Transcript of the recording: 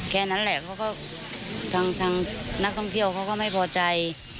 แค่นั้นแหละเขาก็ทางนักท่องเที่ยวเขาก็ไม่พอใจ